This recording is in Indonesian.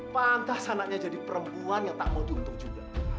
pantas anaknya jadi perempuan yang tak mau diuntung juga